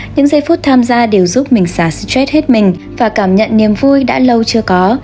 những giây phút tham gia đều giúp mình giả stress hết mình và cảm nhận niềm vui đã lâu chưa có